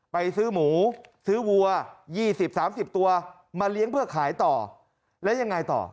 ไปซื้อหมูซื้อวัว๒๐๓๐ตัวมาเลี้ยงเพื่อขายต่อแล้วยังไงต่อ